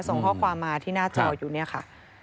ส่งข้อความมาที่หน้าจออยู่เนี่ยค่ะ